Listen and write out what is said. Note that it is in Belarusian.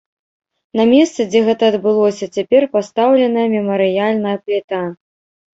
На месцы, дзе гэта адбылося, цяпер пастаўленая мемарыяльная пліта.